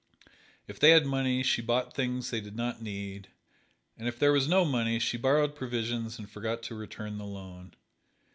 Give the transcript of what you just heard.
If they had money she bought things they did not need, and if there was no money she borrowed provisions and forgot to return the loan.